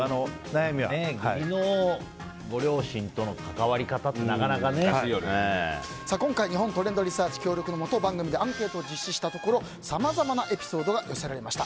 義理のご両親との関わり方は今回、日本トレンドリサーチ協力のもと番組でアンケートを実施したところさまざまな意見が寄せられました。